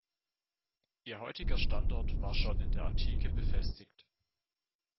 Ihr heutiger Standort war schon in der Antike befestigt.